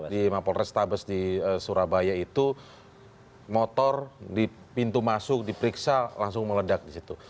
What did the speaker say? di polrestabes di surabaya itu motor di pintu masuk diperiksa langsung meledak disitu